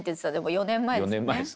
４年前ですね。